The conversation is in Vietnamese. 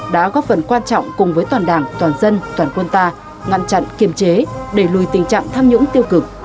đã góp phần quan trọng cùng với toàn đảng toàn dân toàn quân ta ngăn chặn kiềm chế đẩy lùi tình trạng tham nhũng tiêu cực